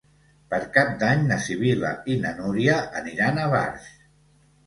Per Cap d'Any na Sibil·la i na Núria aniran a Barx.